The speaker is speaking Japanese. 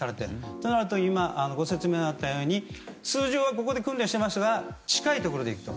となると今ご説明があったように通常はここで訓練していましたが近いところで行くと。